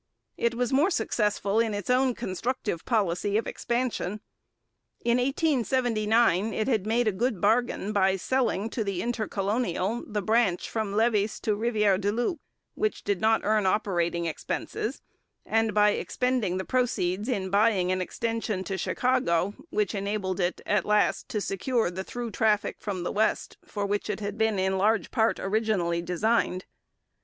It was more successful in its own constructive policy of expansion. In 1879 it had made a good bargain by selling to the Intercolonial the branch from Lévis to Rivière du Loup, which did not earn operating expenses, and by expending the proceeds in buying an extension to Chicago, which enabled it at last to secure the through traffic from the West for which it had been in large part originally designed.